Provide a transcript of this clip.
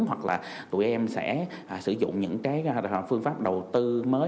hoặc là tụi em sẽ sử dụng những cái phương pháp đầu tư mới